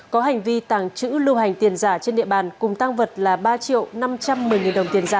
có hành vi tàng trữ lưu hành tiền giả trên địa bàn cùng tăng vật là ba triệu năm trăm một mươi đồng tiền giả